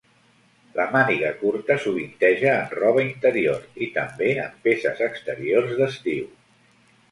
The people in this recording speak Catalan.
La màniga curta sovinteja en roba interior, i també en peces exteriors d'estiu.